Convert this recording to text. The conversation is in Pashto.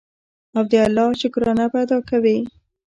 او د الله شکرانه به ادا کوي.